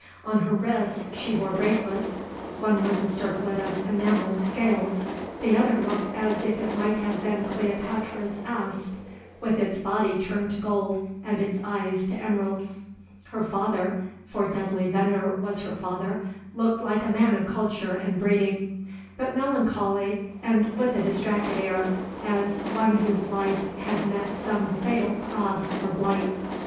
On her wrists she wore bracelets: one was a circlet of enamelled scales; the other looked as if it might have been Cleopatra's asp, with its body turned to gold and its eyes to emeralds. Her father for Dudley Venner was her father looked like a man of culture and breeding, but melancholy and with a distracted air, as one whose life had met some fatal cross or blight.